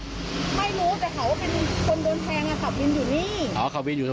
ไม่รู้แต่เขาว่าเป็นคนโดนแทงขับวินอยู่นี่